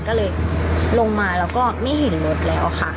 ก็เลยลงมาแล้วก็ไม่เห็นรถแล้วค่ะ